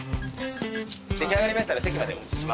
出来上がりましたら席までお持ちします。